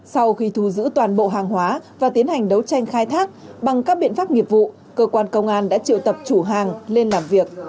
sau khi thu giữ toàn bộ hàng hóa và tiến hành đấu tranh khai thác bằng các biện pháp nghiệp vụ cơ quan công an đã triệu tập chủ hàng lên làm việc